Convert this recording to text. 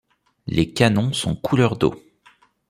Les canons sont couleur d’eau.